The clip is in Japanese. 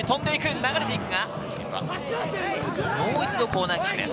流れていくが、もう一度、コーナーキックです。